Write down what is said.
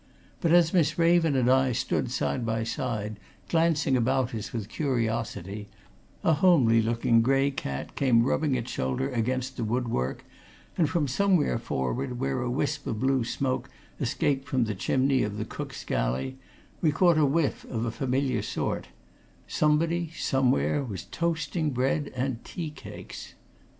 But as Miss Raven and I stood side by side, glancing about us with curiosity, a homely looking grey cat came rubbing its shoulder against the woodwork and from somewhere forward, where a wisp of blue smoke escaped from the chimney of the cook's galley, we caught a whiff of a familiar sort somebody, somewhere, was toasting bread or tea cakes.